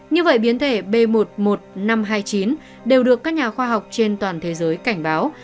như vậy biến thể b một mươi một năm trăm hai mươi chín đều được các nhà khoa học trên toàn thế giới cảnh báo